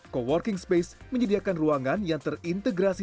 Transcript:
coworking space menyediakan ruangan yang terintegrasi